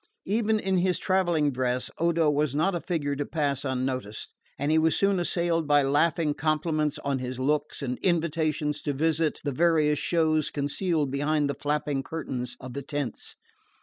Even in his travelling dress Odo was not a figure to pass unnoticed, and he was soon assailed by laughing compliments on his looks and invitations to visit the various shows concealed behind the flapping curtains of the tents.